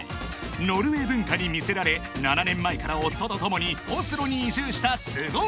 ［ノルウェー文化に魅せられ７年前から夫と共にオスロに移住した］